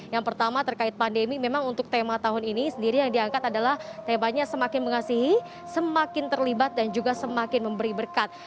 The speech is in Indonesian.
yang pertama terkait pandemi memang untuk tema tahun ini sendiri yang diangkat adalah temanya semakin mengasihi semakin terlibat dan juga semakin memberi berkat